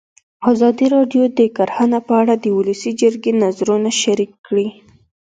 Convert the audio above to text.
ازادي راډیو د کرهنه په اړه د ولسي جرګې نظرونه شریک کړي.